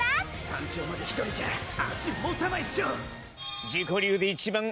山頂まで一人じゃ足持たないっショ